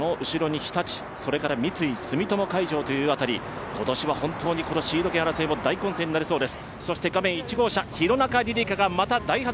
その後ろに日立、それから三井住友海上という辺り、今年は本当にシード権争いも大混戦になりそうです。